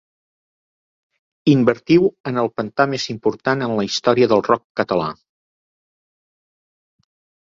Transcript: Invertiu en el pantà més important en la història del rock català.